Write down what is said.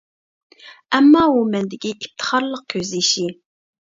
ئەمما ئۇ مەندىكى ئىپتىخارلىق كۆز يېشى.